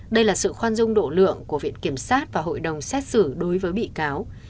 đây là sự khoan dung độ lượng của viện kiểm sát và hội đồng xét xử đối với bị cáo